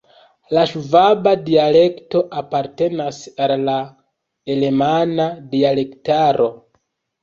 La ŝvaba dialekto apartenas al la alemana dialektaro.